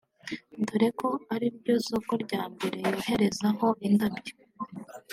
dore ko ari ryo soko rya mbere yoherezaho indabyo